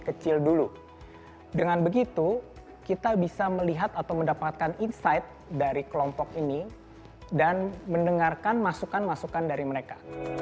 kita bisa melihat atau mendapatkan insight dari kelompok ini dan mendengarkan masukan masukan dari mereka